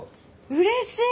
うれしい！